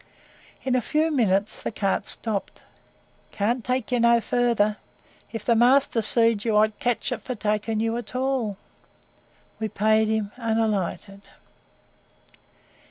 In a few minutes the cart stopped. "Can't take yer not no further. If the master seed yer, I'd cotch it for taking yer at all." We paid him and alighted.